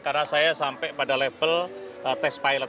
karena saya sampai pada level test pilot